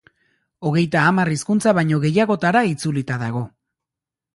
Hogeita hamar hizkuntza baino gehiagotara itzulita dago.